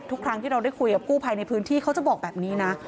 ทุกครั้งที่เราได้คุยกับกู้ภัยในพื้นที่เขาจะบอกแบบนี้นะ